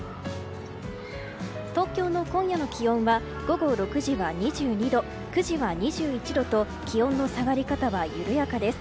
東京の今夜の気温は午後６時は２２度９時は２１度と気温の下がり方は緩やかです。